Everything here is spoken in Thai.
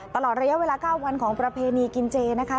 ตลอดระยะเวลา๙วันของประเพณีกินเจนะคะ